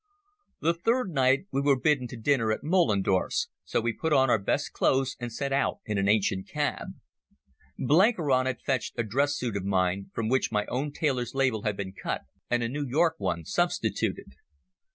The third night we were bidden to dinner at Moellendorff's, so we put on our best clothes and set out in an ancient cab. Blenkiron had fetched a dress suit of mine, from which my own tailor's label had been cut and a New York one substituted.